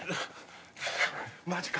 マジか。